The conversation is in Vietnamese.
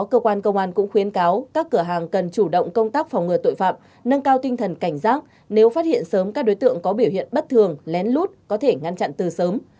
cơ quan công an cũng khuyến cáo các cửa hàng cần chủ động công tác phòng ngừa tội phạm nâng cao tinh thần cảnh giác nếu phát hiện sớm các đối tượng có biểu hiện bất thường lén lút có thể ngăn chặn từ sớm